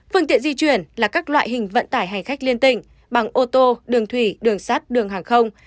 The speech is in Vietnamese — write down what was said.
phương tiện di chuyển là các loại hình vận tải hành khách liên tỉnh bằng ô tô đường thủy đường sắt đường hàng không